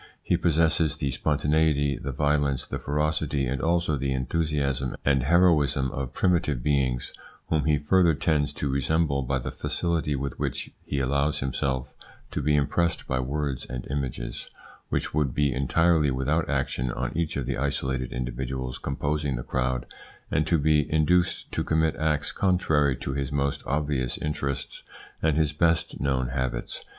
He possesses the spontaneity, the violence, the ferocity, and also the enthusiasm and heroism of primitive beings, whom he further tends to resemble by the facility with which he allows himself to be impressed by words and images which would be entirely without action on each of the isolated individuals composing the crowd and to be induced to commit acts contrary to his most obvious interests and his best known habits.